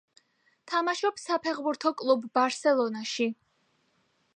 თამაშობს საფეხბურთო კლუბ „ბარსელონაში“.